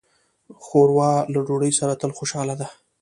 ښوروا له ډوډۍ سره تل خوشاله ده.